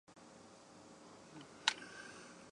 他曾效力于意乙球队维琴察足球俱乐部。